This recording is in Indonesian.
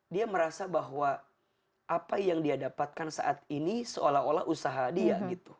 dia merasa bahwa apa yang dia dapatkan saat ini seolah olah usaha dia gitu